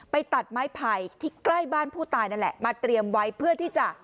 ตัดไม้ไผ่ที่ใกล้บ้านผู้ตายนั่นแหละมาเตรียมไว้เพื่อที่จะ